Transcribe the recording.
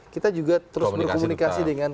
kita juga terus berkomunikasi dengan